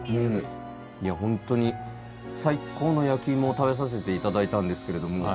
いやホントに最高の焼き芋を食べさせていただいたんですけれども。